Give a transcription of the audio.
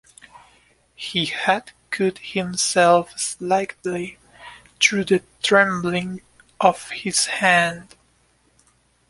He had cut himself slightly through the trembling of his hand.